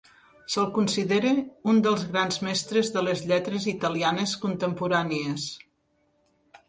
Se'l considera un dels grans mestres de les lletres italianes contemporànies.